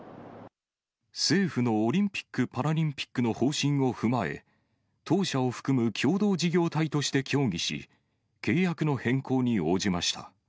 政府のオリンピック・パラリンピックの方針を踏まえ、当社を含む共同事業体として協議し、契約の変更に応じました。